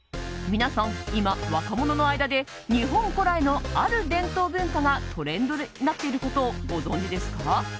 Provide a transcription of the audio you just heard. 皆さん、今、若者の間で日本古来のある伝統文化がトレンドになっていることをご存じですか？